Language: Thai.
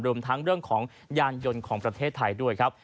รวมทั้งเรื่องของยานยนต์ของประเทศไทยด้วยครับ